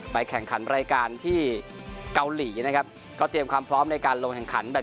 แข่งขันรายการที่เกาหลีนะครับก็เตรียมความพร้อมในการลงแข่งขันแบบ